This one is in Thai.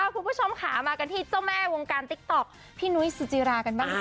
คุณผู้ชมค่ะมากันที่เจ้าแม่วงการติ๊กต๊อกพี่นุ้ยสุจิรากันบ้าง